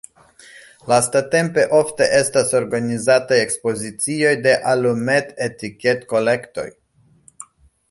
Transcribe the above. Lastatempe ofte estas organizataj ekspozicioj de alumetetiked-kolektoj.